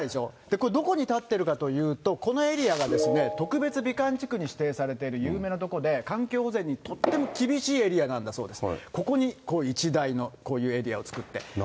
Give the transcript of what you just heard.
これ、どこに建ってるかというと、このエリアがですね、特別美観地区に指定されている有名な所で、環境保全にとっても厳しいエリアなんだそうです。